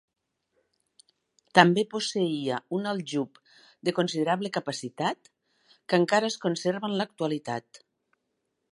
També posseïa un aljub de considerable capacitat que encara es conserva en l'actualitat.